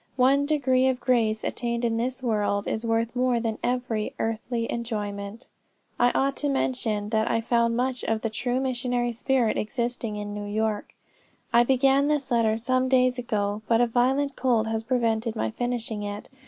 One degree of grace attained in this world, is worth more than every earthly enjoyment." "I ought to have mentioned that I found much of the true missionary spirit existing in New York. "I began this letter some days ago, but a violent cold has prevented my finishing it.